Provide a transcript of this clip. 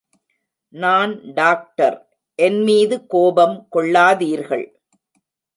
நான் டாக்டர், என் மீது கோபம் கொள்ளாதீர்கள்!